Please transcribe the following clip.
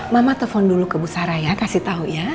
mama telepon dulu ke bu saraya kasih tahu ya